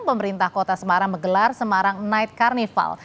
pemerintah kota semarang menggelar semarang night carnival